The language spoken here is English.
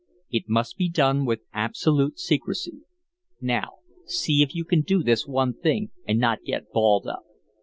It must be done with absolute secrecy. Now, see if you can do this one thing and not get balled up.